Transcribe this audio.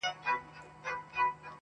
• ماتول مي سرابونه هغه نه یم -